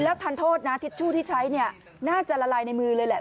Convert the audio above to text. ทันโทษนะทิชชู่ที่ใช้เนี่ยน่าจะละลายในมือเลยแหละ